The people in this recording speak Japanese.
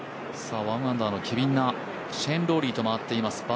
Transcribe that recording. １アンダーのケビン・ナ、シェーン・ローリーと回っています。